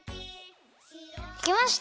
できました！